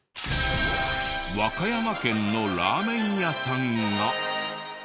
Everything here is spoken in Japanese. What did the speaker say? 和歌山県のラーメン屋さんが。